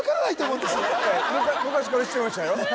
昔から知ってましたよ